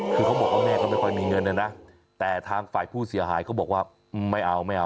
คือเขาบอกว่าแม่ก็ไม่ค่อยมีเงินนะนะแต่ทางฝ่ายผู้เสียหายเขาบอกว่าไม่เอาไม่เอา